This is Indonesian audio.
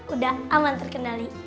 udah aman terkenali